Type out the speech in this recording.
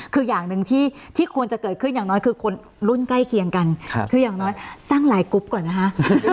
คืออย่างหนึ่งที่ควรจะเกิดขึ้นอย่างน้อยคือคนรุ่นใกล้เคียงกันคืออย่างน้อยสร้างหลายกรุ๊ปก่อนนะคะ